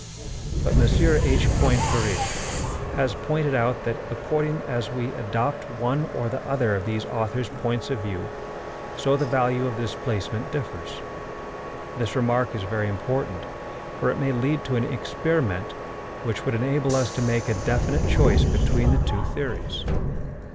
But M.H. Poincaré has pointed out that, according as we adopt one or other of these authors' points of view, so the value of the displacement differs. This remark is very important, for it may lead to an experiment which would enable us to make a definite choice between the two theories.